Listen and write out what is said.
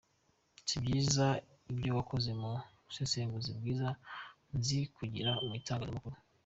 Sibyiza ibyo wakoze mu busesenguzi bwiza nzi ugira mu itangazamakuru.